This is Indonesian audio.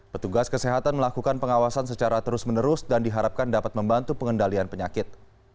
petugas kesehatan melakukan pengawasan secara terus menerus dan diharapkan dapat membantu pengendalian penyakit